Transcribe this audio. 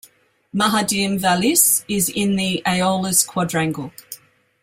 Ma'adim Vallis is in the Aeolis quadrangle.